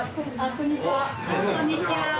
こんにちは。